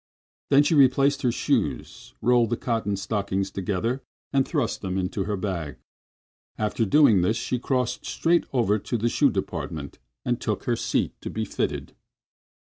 Then she replaced her shoes, rolled the cotton stockings together and thrust them into her bag. After doing this she crossed straight over to the shoe department and took her seat to be fitted.